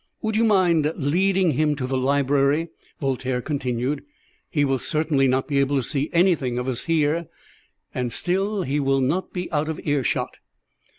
"Would you mind leading him to the library?" Voltaire continued. "He will certainly not be able to see anything of us here, and still he will not be out of earshot."